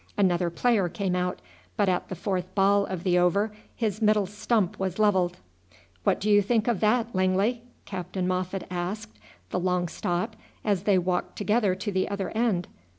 Another player came out, but at the fourth ball of the over his middle stump was levelled. "What do you think of that, Langley?" Captain Moffat asked the long stop as they walked together to the other end.